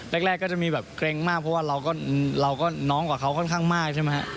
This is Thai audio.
แรกก็จะมีแบบเกรงมากเพราะว่าเราก็น้องกว่าเขาค่อนข้างมากใช่ไหมฮะ